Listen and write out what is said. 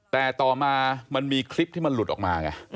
แต่ต่อมามันมีคลิปที่มันหลุดออกมาไง